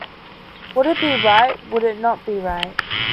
Would it be right, would it not be right?